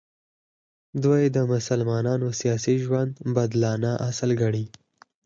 دوی د مسلمانانو سیاسي ژوند بدلانه اصل ګڼي.